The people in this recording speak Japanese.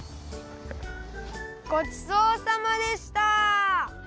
ごちそうさまでした！